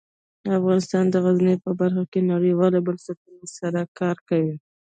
افغانستان د غزني په برخه کې نړیوالو بنسټونو سره کار کوي.